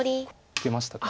受けましたか。